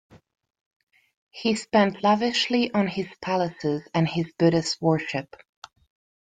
He spent lavishly on his palaces and his Buddhist worship.